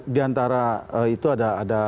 di antara itu ada